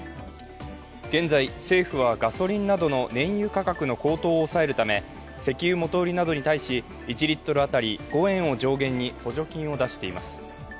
現在、政府はガソリンなどの燃油価格の高騰を抑えるため石油元売りなどに対し、１リットル当たり５円を上限に補助金を出しています